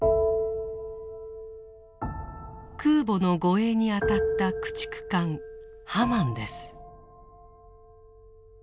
空母の護衛に当たった駆逐艦「ハマン」です。